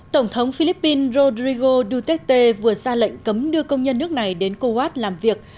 tổng thống philippines rodrigo duterte vừa ra lệnh cấm đưa công nhân nước này đến kuwait làm việc